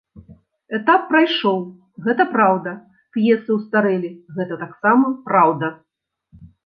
Этап прайшоў, гэта праўда, п'есы ўстарэлі, гэта таксама праўда.